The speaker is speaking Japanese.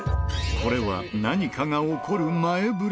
これは何かが起こる前ぶれか？